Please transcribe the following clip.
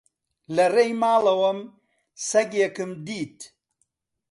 لە ڕێی ماڵەوەم سەگێکم دیت.